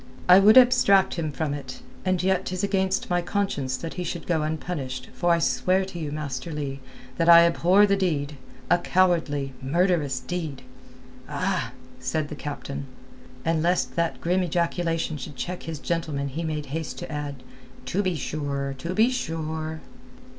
"I would abstract him from it, and yet 'tis against my conscience that he should go unpunished for I swear to you, Master Leigh, that I abhor the deed—a cowardly, murderous deed!" "Ah!" said the captain. And lest that grim ejaculation should check his gentleman he made haste to add—"To be sure! To be sure!"